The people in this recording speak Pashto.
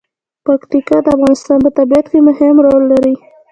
پکتیکا د افغانستان په طبیعت کې مهم رول لري.